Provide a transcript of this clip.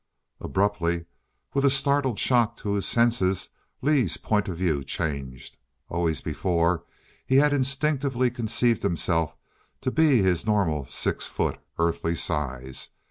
Abruptly, with a startled shock to his senses, Lee's viewpoint changed. Always before he had instinctively conceived himself to be his normal six foot earthly size.